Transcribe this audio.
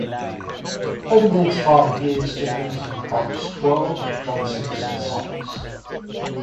Over the next five years Jenkins would publish twelve of Johnson's songs.